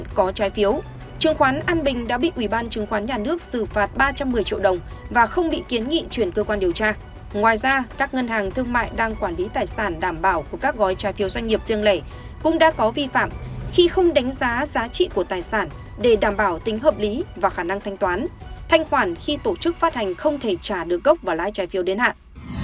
ngoài ra các ngân hàng thương mại đang quản lý tài sản đảm bảo của các gói trái phiếu doanh nghiệp riêng lẻ cũng đã có vi phạm khi không đánh giá giá trị của tài sản để đảm bảo tính hợp lý và khả năng thanh toán thanh khoản khi tổ chức phát hành không thể trả được gốc và lái trái phiếu đến hạn